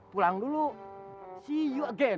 pulang dulu see you again